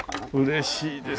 嬉しいです。